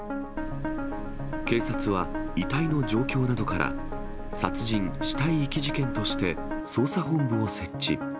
警察は遺体の状況などから、殺人・死体遺棄事件として捜査本部を設置。